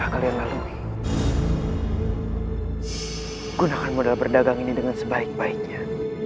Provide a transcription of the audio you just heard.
bagaimana persiaan kalianibilekannya